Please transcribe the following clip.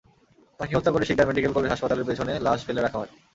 তাঁকে হত্যা করে শিকদার মেডিকেল কলেজ হাসপাতালের পেছনে লাশ ফেলে রাখা হয়।